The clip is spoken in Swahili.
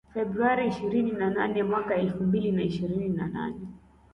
Februari ishirini na nane mwaka elfu mbili na ishirini na nane